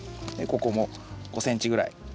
ここも５ｃｍぐらい。